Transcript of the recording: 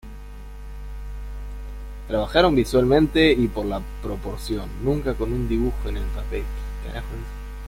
Trabajaron visualmente y por la proporción, nunca con un dibujo en el papel.